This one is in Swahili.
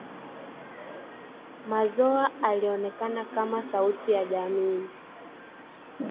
Mazoa alionekana kama sauti ya jamii